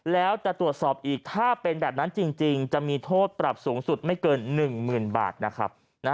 แล้วจะตรวจสอบอีกถ้าเป็นแบบนั้นจริงจะมีโทษปรับสูงสุดไม่เกิน๑๐๐๐บาทนะครับ